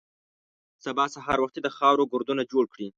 سبا سهار وختي د خاورو ګردونه جوړ کړي.